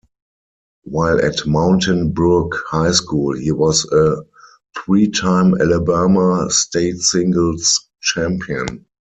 While at Mountain Brook High School, he was a three-time Alabama state singles champion.